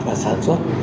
và sản xuất